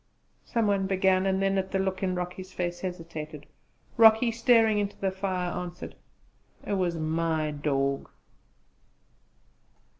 some one began and then at the look in Rocky's face, hesitated. Rocky, staring into the fire, answered: "It was my dawg!"